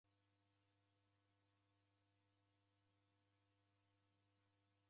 Ndoe yachikanywachikanywa.